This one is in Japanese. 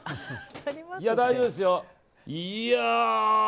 大丈夫ですよ。